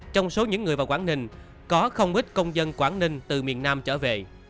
trong số những người vào quảng ninh có không ít công dân quảng ninh từ miền nam trở về